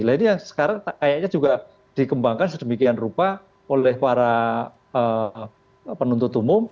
nah ini yang sekarang kayaknya juga dikembangkan sedemikian rupa oleh para penuntut umum